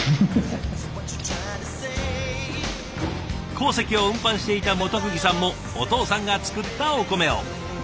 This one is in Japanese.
鉱石を運搬していた本釘さんもお父さんが作ったお米を。